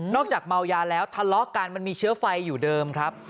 จากเมายาแล้วทะเลาะกันมันมีเชื้อไฟอยู่เดิมครับ